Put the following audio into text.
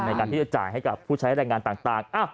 ในการที่จะจ่ายให้กับผู้ใช้แรงงานต่าง